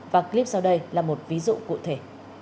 và clip sau đây là một ví dụ cụ thể